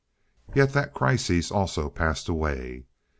Yet that crisis also passed away.